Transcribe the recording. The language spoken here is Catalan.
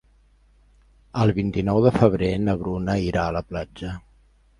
El vint-i-nou de febrer na Bruna irà a la platja.